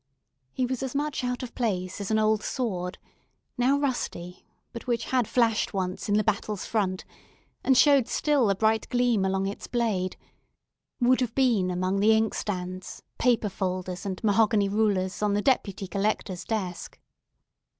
He was as much out of place as an old sword—now rusty, but which had flashed once in the battle's front, and showed still a bright gleam along its blade—would have been among the inkstands, paper folders, and mahogany rulers on the Deputy Collector's desk.